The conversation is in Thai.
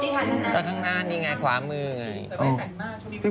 ก็ข้างหน้านี่ไงขวามืออย่างนี้